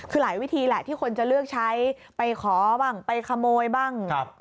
คือหลายวิธีแหละที่คนจะเลือกใช้ไปขอบ้างไปขโมยบ้าง